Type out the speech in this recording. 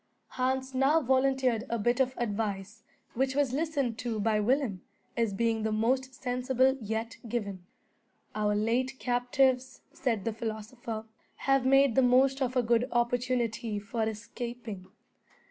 Hans now volunteered a bit of advice, which was listened to by Willem, as being the most sensible yet given. "Our late captives," said that philosopher, "have made the most of a good opportunity for escaping.